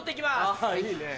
あいいね。